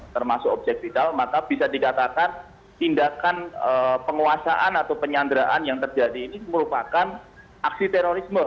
termasuk objek vital maka bisa dikatakan tindakan penguasaan atau penyanderaan yang terjadi ini merupakan aksi terorisme